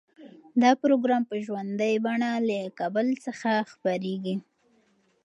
دا پروګرام په ژوندۍ بڼه له کابل څخه خپریږي.